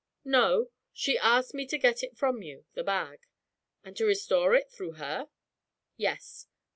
'No. She asked me to get it from you the bag.' 'And to restore it through her?' 'Yes.'